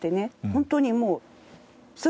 本当にもう。